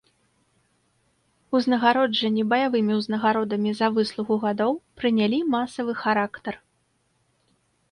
Узнагароджанні баявымі ўзнагародамі за выслугу гадоў прынялі масавы характар.